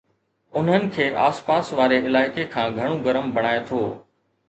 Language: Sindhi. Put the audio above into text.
انھن کي آس پاس واري علائقي کان گھڻو گرم بڻائي ٿو